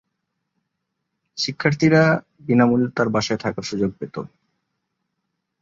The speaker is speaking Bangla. শিক্ষার্থীরা বিনামূল্যে তার বাসায় থাকার সুযোগ পেত।